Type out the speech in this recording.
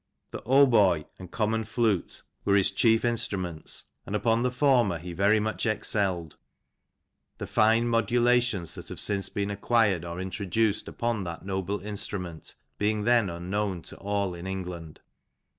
" The hautboy and common flute were his chief instruments, and upon the former he very much excelled; the fine modulations that have since been acquired, or introduced upon that noble instrument, being then unknown in England.